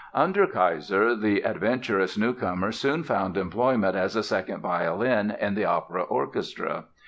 Under Keiser the adventurous newcomer soon found employment as a second violin in the opera orchestra.